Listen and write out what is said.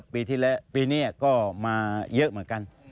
ปีนี้ก็มาเยอะเหมือนกัน